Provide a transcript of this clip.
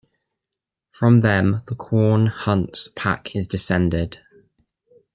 From them the Quorn Hunt's pack is descended.